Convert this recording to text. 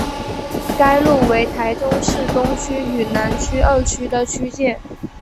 该路为台中市东区与南区二区的区界。